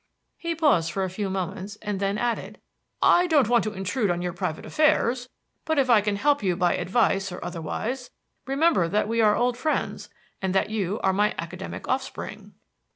He paused for a few moments, and then added: "I don't want to intrude on your private affairs, but if I can help you by advice or otherwise, remember that we are old friends and that you are my academic offspring."